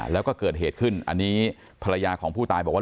แล้วก็เกิดเหตุขึ้นอันนี้ภรรยาของผู้ตายบอกว่า